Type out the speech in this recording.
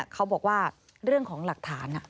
เขาบอกว่าเรื่องของหลักฐาน